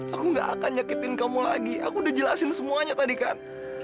aku gak akan nyakitin kamu lagi aku udah jelasin semuanya tadi kan